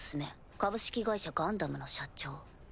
「株式会社ガンダム」の社長。